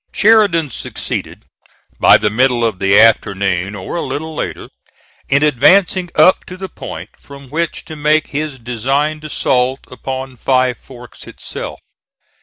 Sheridan succeeded by the middle of the afternoon or a little later, in advancing up to the point from which to make his designed assault upon Five Forks itself.